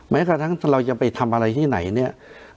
แม้กระทั่งเราจะไปทำอะไรที่ไหนเนี่ย